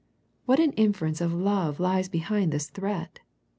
What an inference of love lies behind this threat.